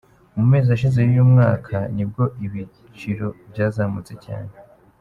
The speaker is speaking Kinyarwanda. Mu mezi ashize y’uyu mwaka, nibwo ibiciro byazamutse cyane.